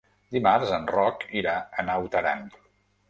Dimarts en Roc irà a Naut Aran.